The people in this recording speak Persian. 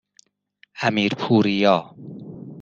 امیرپوریا